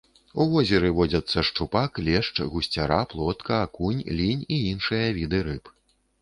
У возеры водзяцца шчупак, лешч, гусцяра, плотка, акунь, лінь і іншыя віды рыб.